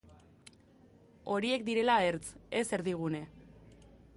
Horiek direla ertz, ez erdigune.